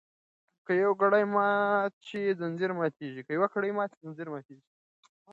که یوه کړۍ ماته شي ځنځیر ماتیږي.